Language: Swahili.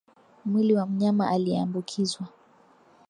mwili wa mnyama aliyeambukizwa